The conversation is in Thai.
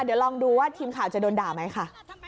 เดี๋ยวลองดูว่าทีมข่าวจะโดนด่าไหมค่ะ